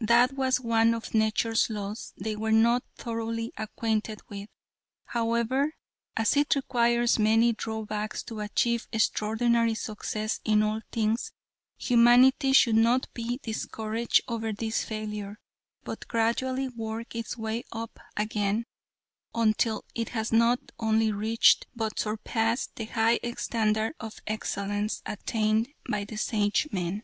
That was one of nature's laws they were not thoroughly acquainted with. However, as it requires many drawbacks to achieve extraordinary success in all things, humanity should not be discouraged over this failure, but gradually work its way up again until it has not only reached, but surpassed the high standard of excellence attained by the Sagemen.